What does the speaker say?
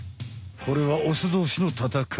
これはオスどうしの戦い。